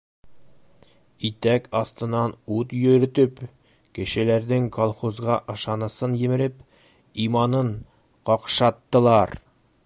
Итәк аҫтынан ут йөрөтөп, кешеләрҙең колхозға ышанысын емереп, иманын ҡаҡшаттылар!